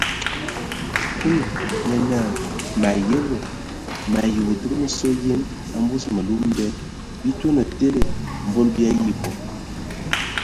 Kulu nye naa : mǝ ayəbǝ! mǝ ayi wa dugan sɔ yen a mvus mǝlu mǝbɛ, bii toane tele mbol bii ayi bɔ.